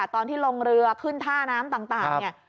ตอนที่ลงเรือขึ้นท่าน้ำต่างเนี่ย